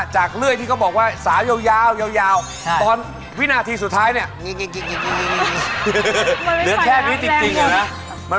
ใช่ไหมผู้หญิงทุกคนบ่นเหมือนกันหมดเลยว่า